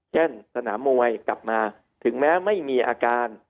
สนามมวยกลับมาถึงแม้ไม่มีอาการ